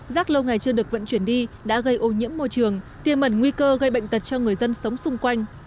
rác lâu ngày chưa được vận chuyển đi đã gây ô nhiễm môi trường tiềm mẩn nguy cơ gây bệnh tật cho người dân sống xung quanh